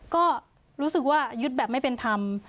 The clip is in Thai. ก็รู้สึกว่ายึดแบบไม่เป็นธรรม